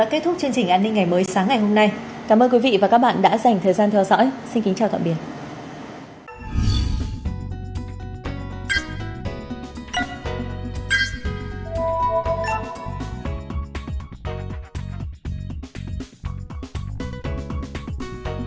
kết thúc chương trình an ninh ngày mới sáng ngày hôm nay cảm ơn quý vị và các bạn đã dành thời gian theo dõi xin kính chào tạm biệt